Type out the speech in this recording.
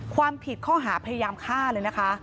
ความผิดข้อหาพยายามฆ่าเลยนะคะ